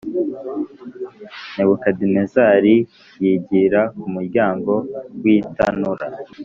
Nebukadinezari yigira ku muryango w itanura